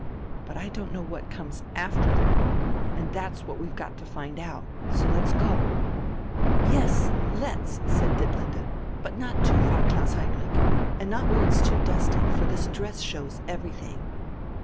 But I don't know what comes after the room, and that's what we've got to find out. So let's go." "Yes, let's," said Ditlinde, "but not too far, Klaus Heinrich, and not where it's too dusty, for this dress shows everything."